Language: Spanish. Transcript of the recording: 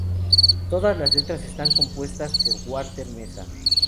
Todas las letras están compuestas por Walter Meza